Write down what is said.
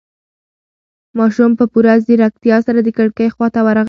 ماشوم په پوره ځيرکتیا سره د کړکۍ خواته ورغی.